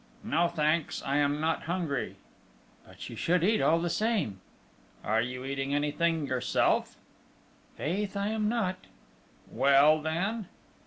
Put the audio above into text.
"No, thanks: I am not hungry." "But you should eat all the same!" "Are you eating anything yourself?" "Faith, I am not!" "Well, then?"